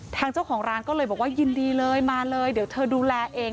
ทางเจ้าของร้านก็เลยบอกว่ายินดีเลยมาเลยเดี๋ยวเธอดูแลเอง